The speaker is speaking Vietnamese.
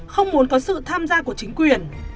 không muốn có sự tham gia của chính quyền